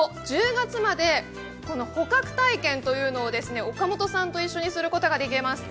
１０月まで捕獲体験というのを岡本さんと一緒にすることができます。